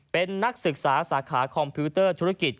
เป็นนักศึกษาสาขาคอมพิวเตอร์ธุรกิจ